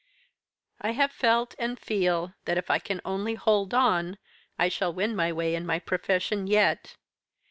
I have felt, and feel, that if I can only hold on, I shall win my way in my profession yet.